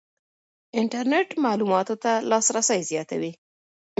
انټرنېټ معلوماتو ته لاسرسی زیاتوي.